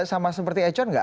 sama seperti econ nggak